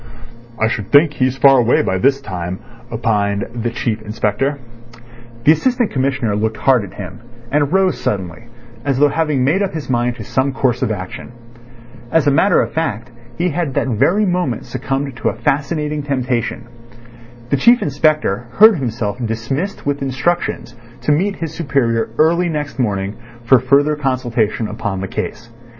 "I should think he's far away by this time," opined the Chief Inspector. The Assistant Commissioner looked hard at him, and rose suddenly, as though having made up his mind to some course of action. As a matter of fact, he had that very moment succumbed to a fascinating temptation. The Chief Inspector heard himself dismissed with instructions to meet his superior early next morning for further consultation upon the case.